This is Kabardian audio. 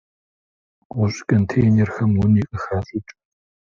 Гъущӏ контейнерхэм уни къыхащӏыкӏ.